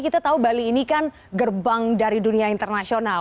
kita tahu bali ini kan gerbang dari dunia internasional